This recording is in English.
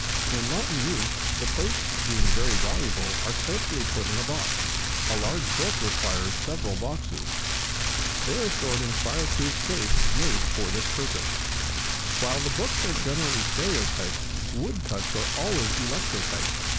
When not in use, the plates, being very valuable, are carefully put in a box, a large book requiring several boxes. They are stored in fire proof safes, made for this purpose. While books are generally stereotyped, woodcuts are always electrotyped.